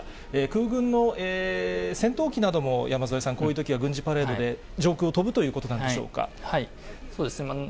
空軍の戦闘機なども、山添さん、こういうときは軍事パレードで上空を飛ぶということなそうですね。